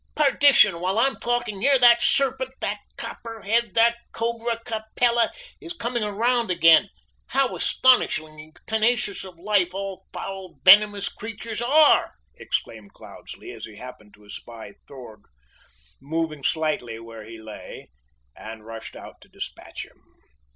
perdition! while I am talking here that serpent! that copperhead! that cobra capella! is coming round again! How astonishingly tenacious of life all foul, venomous creatures are!" exclaimed Cloudesley, as he happened to espy Throg moving slightly where he lay, and rushed out to dispatch him.